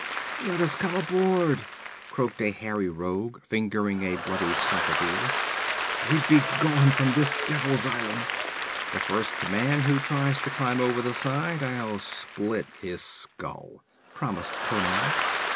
'Let us come aboard!' croaked a hairy rogue fingering a bloody stump of ear. 'We'd be gone from this devil's island.' 'The first man who tries to climb over the side, I'll split his skull,' promised Conan.